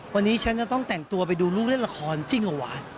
วันนี้ฉันจะต้องแต่งตัวไปดูลูกเล่นละครจริงเหรอวะ